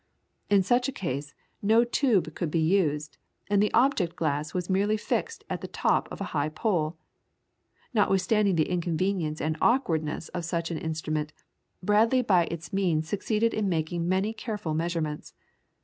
In such a case, no tube could be used, and the object glass was merely fixed at the top of a high pole. Notwithstanding the inconvenience and awkwardness of such an instrument, Bradley by its means succeeded in making many careful measurements.